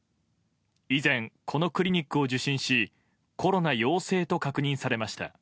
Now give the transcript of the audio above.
以前、このクリニックを受診しコロナ陽性と確認されました。